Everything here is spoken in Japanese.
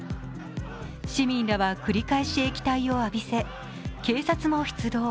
市民らは繰り返し液体を浴びせ警察も出動。